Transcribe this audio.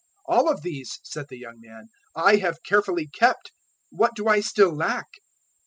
'" 019:020 "All of these," said the young man, "I have carefully kept. What do I still lack?"